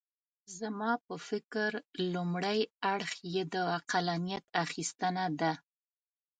زما په فکر لومړی اړخ یې د عقلانیت اخیستنه ده.